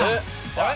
あれ？